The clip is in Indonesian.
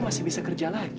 masih bisa kerja lagi